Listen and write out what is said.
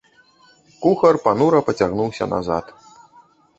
Кухар панура пацягнуўся назад.